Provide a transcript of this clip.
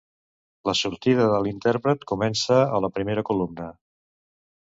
La sortida de l'intèrpret comença a la primera columna.